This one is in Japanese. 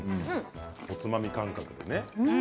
おつまみ感覚でね。